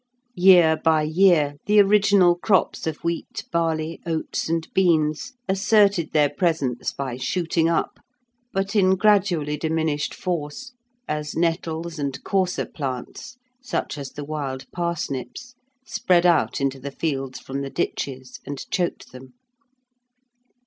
Year by year the original crops of wheat, barley, oats, and beans asserted their presence by shooting up, but in gradually diminished force, as nettles and coarser plants, such as the wild parsnips, spread out into the fields from the ditches and choked them.